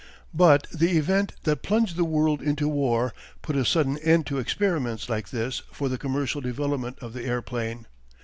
But the event that plunged the world into war put a sudden end to experiments like this for the commercial development of the airplane.